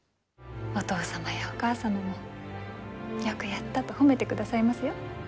お義父様やお義母様も「よくやった」と褒めてくださいますよ。